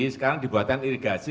sekarang dibuatkan irigasi